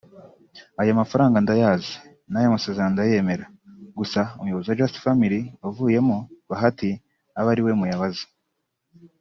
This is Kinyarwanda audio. “Aya mafaranga ndayazi n’amasezerano ndayemera gusa Umuyobozi wa Just Family wavuyemo (Bahati) abe ariwe muyabaza